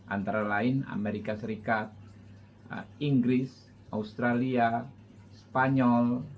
antara lain amerika serikat inggris australia spanyol